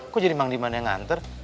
kok jadi mang dimana yang nganter